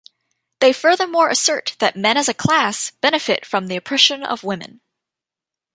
They furthermore assert that men as a class, benefit from the oppression of women.